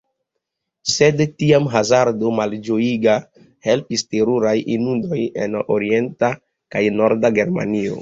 Sed tiam hazardo, malĝojiga, helpis: teruraj inundoj en orienta kaj norda Germanio.